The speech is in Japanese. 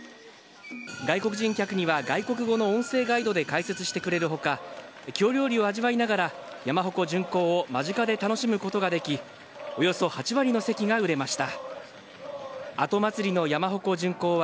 外国人客には外国語の音声ガイドで解説してくれるほか、京料理を味わいながら山鉾巡行を間近で楽しむことができ、およそ８割の席が売れました。